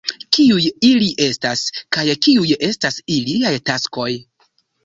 Kiuj ili estas, kaj kiuj estas iliaj taskoj?